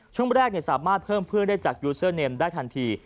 ช่วงแรกสามารถเพิ่มเพื่อนได้จากยูเซอร์เนมได้ทันที